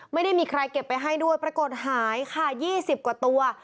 ไม่ได้มีใครเก็บไปให้ด้วยปรากฏหายค่ะ๒๐กว่าตัว